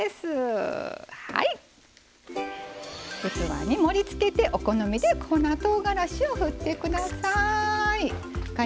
器に盛りつけてお好みで粉とうがらしを振ってください。